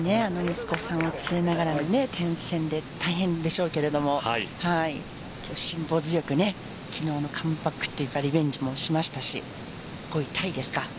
息子さんを連れながらの転戦で大変でしょうけど辛抱強く昨日もリベンジしましたし５位タイですか。